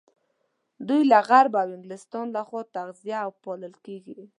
دوی له غرب او انګلستان لخوا تغذيه او پالل کېږي.